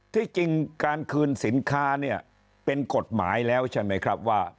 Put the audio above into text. ที่จริงการคืนสินค้าเนี่ยเป็นกฎหมายแล้วใช่ไหมครับว่า